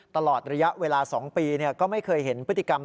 ตลอดระยะเวลา๒ปีก็ไม่เคยเห็นพฤติกรรม